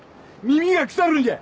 耳が腐るんじゃ！